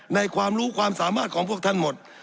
สับขาหลอกกันไปสับขาหลอกกันไป